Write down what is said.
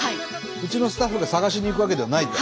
うちのスタッフが探しに行くわけではないと。